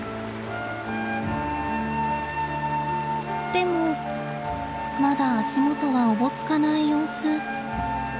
でもまだ足元はおぼつかない様子。